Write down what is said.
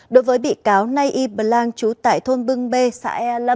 đối với bị cáo nay y blang trú tại thôn bưng bê xã e lâm